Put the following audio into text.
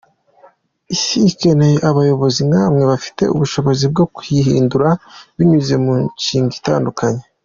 Isi ikeneye abayobozi nkamwe bafite ubushobozi bwo kuyihindura binyuze mu mishinga itandukanye.